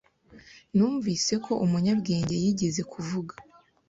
Numvise ko umunyabwenge yigeze kuvuga